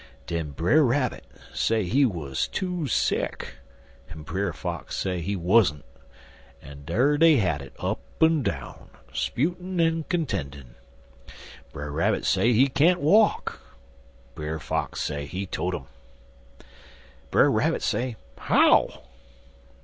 "Den Brer Rabbit say he wuz too sick, en Brer Fox say he wuzzent, en dar dey had it up and down, 'sputin' en contendin'. Brer Rabbit say he can't walk. Brer Fox say he tote 'im. Brer Rabbit say how?